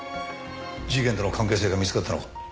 事件との関係性が見つかったのか？